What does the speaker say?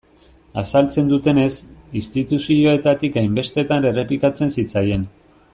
Azaltzen dutenez, instituzioetatik hainbestetan errepikatzen zitzaien.